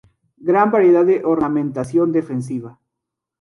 Gran variedad de ornamentación defensiva.